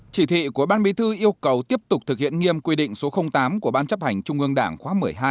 chỉ thị của ban bí thư yêu cầu tiếp tục thực hiện nghiêm quy định số tám của ban chấp hành trung ương đảng khóa một mươi hai